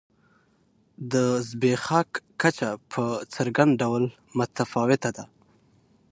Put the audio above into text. د زبېښاک کچه په څرګند ډول متفاوته ده.